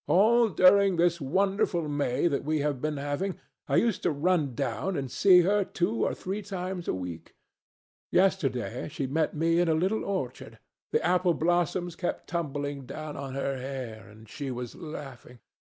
All during this wonderful May that we have been having, I used to run down and see her two or three times a week. Yesterday she met me in a little orchard. The apple blossoms kept tumbling down on her hair, and she was laughing.